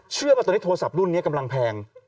ว่าตอนนี้โทรศัพท์รุ่นนี้กำลังแพง